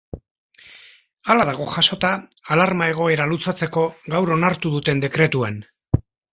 Hala dago jasota alarma-egoera luzatzeko gaur onartu duen dekretuan.